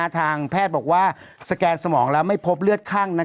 ทางแพทย์บอกว่าสแกนสมองแล้วไม่พบเลือดคั่ง